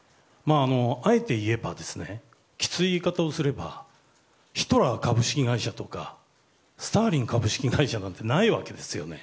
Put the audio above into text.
あえて言えばきつい言い方をすればヒトラー株式会社とかスターリン株式会社なんてないわけです。